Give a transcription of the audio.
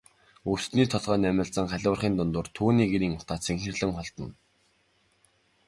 Өвсний толгой намилзан халиурахын дундуур түүний гэрийн утаа цэнхэрлэн холдоно.